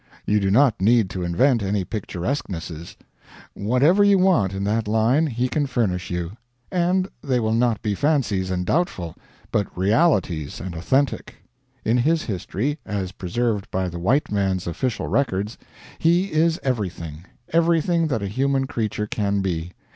You do not need to invent any picturesquenesses; whatever you want in that line he can furnish you; and they will not be fancies and doubtful, but realities and authentic. In his history, as preserved by the white man's official records, he is everything everything that a human creature can be.